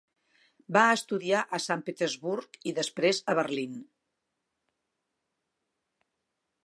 Va estudiar a Sant Petersburg i després a Berlín.